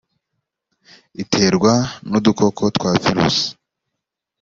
iterwa n udukoko twa virusi